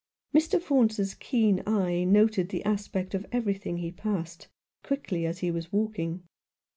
Mr. Faunce's keen eye noted the aspect of everything he passed, quickly as he was walking.